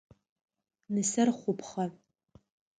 Нысэр хъупхъэ.